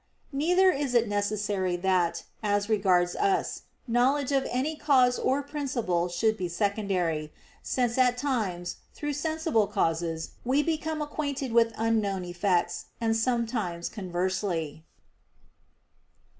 Neither is it necessary that, as regards us, knowledge of any cause or principle should be secondary: since at times through sensible causes we become acquainted with unknown effects, and sometimes conversely.